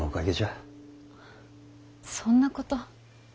そんなこと。